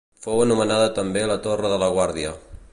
Fou anomenada també la Torre de la Guàrdia.